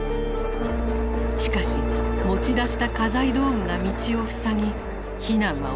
しかし持ち出した家財道具が道を塞ぎ避難は遅れた。